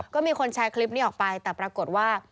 ก็มีคนแชร์คลิปนี้ออกไปแต่ปรากฏว่า